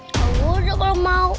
kalau udah kalau mau